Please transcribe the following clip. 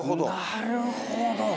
なるほど。